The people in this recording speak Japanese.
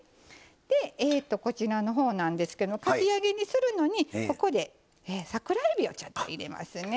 でこちらのほうなんですけどかき揚げにするのにここで桜えびをちょっと入れますね。